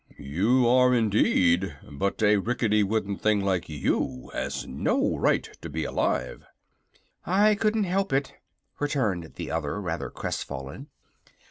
"You are, indeed. But a rickety wooden thing like you has no right to be alive." "I couldn't help it," returned the other, rather crestfallen.